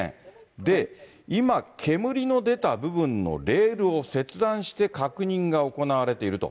で、今、煙の出た部分のレールを切断して確認が行われていると。